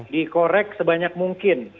dikorek sebanyak mungkin